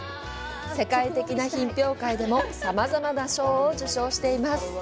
世界的な品評会でもさまざまな賞を受賞しています。